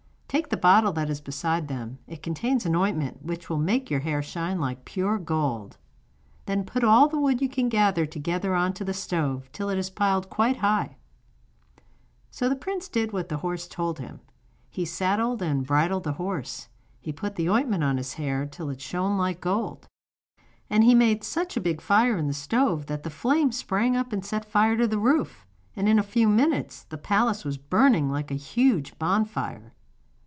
Take the bottle that is beside them; it contains an ointment which will make your hair shine like pure gold; then put all the wood you can gather together on to the stove, till it is piled quite high up.' So the prince did what the horse told him; he saddled and bridled the horse, he put the ointment on his hair till it shone like gold, and he made such a big fire in the stove that the flames sprang up and set fire to the roof, and in a few minutes the palace was burning like a huge bonfire.